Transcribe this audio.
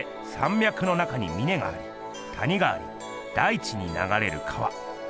みゃくの中にみねがあり谷があり大地にながれる川。